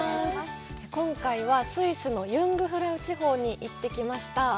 今回は、スイスのユングフラウ地方に行ってきました。